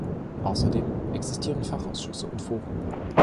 Außerdem existieren Fachausschüsse und Foren.